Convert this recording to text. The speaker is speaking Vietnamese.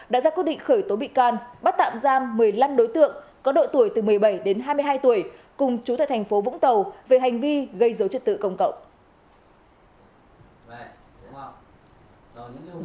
đã ra quyết định khởi tố bị can bắt tạm giam một mươi năm đối tượng có độ tuổi từ một mươi bảy đến hai mươi hai tuổi cùng chú tại thành phố vũng tàu về hành vi gây dấu chất tự công cộng